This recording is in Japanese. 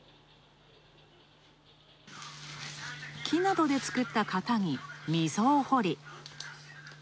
木などで作った型に溝を掘り。